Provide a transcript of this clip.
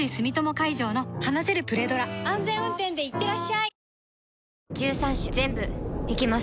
安全運転でいってらっしゃい